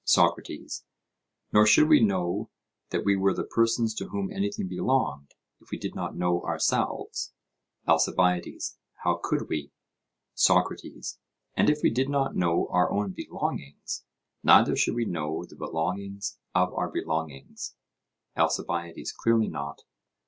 SOCRATES: Nor should we know that we were the persons to whom anything belonged, if we did not know ourselves? ALCIBIADES: How could we? SOCRATES: And if we did not know our own belongings, neither should we know the belongings of our belongings? ALCIBIADES: Clearly not.